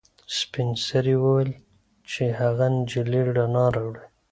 سپین سرې وویل چې هغه نجلۍ رڼا راوړي.